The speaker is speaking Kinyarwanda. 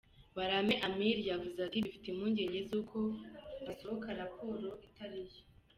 Barame Amir yavuze ati “Dufite impungenge z’uko hasohoka raporo itariyo”.